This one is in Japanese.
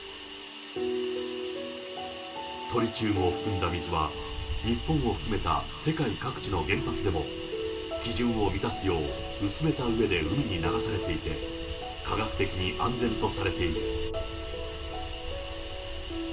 トリチウムを含んだ水は、日本を含めた世界各地の原発でも、基準を満たすよう薄めたうえで海に流されていて、科学的に安全とされている。